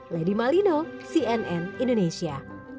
lady malino cnn indonesia